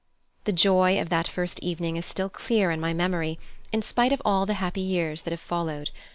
The joy of that first evening is still clear in my memory, in spite of all the happy years that have followed.